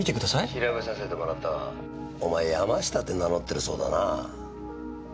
調べさせてもらったがお前山下って名乗ってるそうだな。